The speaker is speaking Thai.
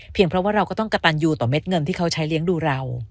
เพราะว่าเราก็ต้องกระตันยูต่อเด็ดเงินที่เขาใช้เลี้ยงดูเรา